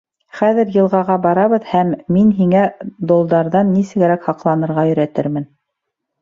Хәҙер йылғаға барабыҙ һәм мин һиңә долдарҙан нисегерәк һаҡланырға өйрәтермен.